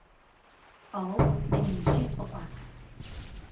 嗷！你唔舒服呀？